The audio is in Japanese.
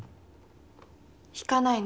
弾かないの？